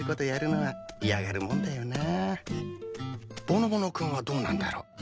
ぼのぼの君はどうなんだろう？